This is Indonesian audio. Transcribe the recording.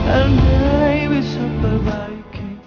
andai bisa perbaiki